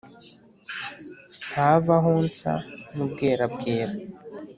ntava aho nsa n’ubwerabwera,